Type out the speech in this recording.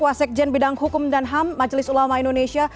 wasekjen bidang hukum dan ham majelis ulama indonesia